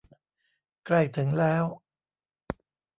ใกล้ถึงแล้ว